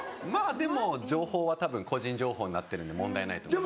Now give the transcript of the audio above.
でも情報はたぶん個人情報になってるんで問題ないと思います。